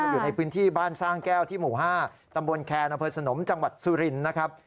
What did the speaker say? อยู่ในพื้นที่บ้านสร้างแก้วที่หมู่๕ตำบลแคนอำเภอสนมจังหวัดสุรินทร์นะครับ